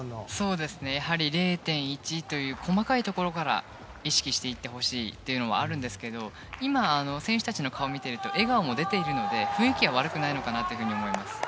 やはり０．１という細かいところから意識していってほしいのもあるんですが今、選手たちの顔を見ていると笑顔も出ているので雰囲気は悪くないのかなと思います。